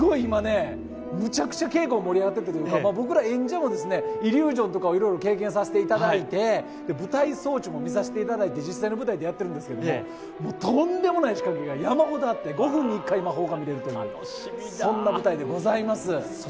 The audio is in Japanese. むちゃくちゃ盛り上がってきて、演者もイリュージョンとかを経験させていただいて、舞台装置も実際の舞台でやってるんですけど、とんでもない仕掛けが山ほどあって５分の１回、魔法が見られるという、そんな舞台でございます。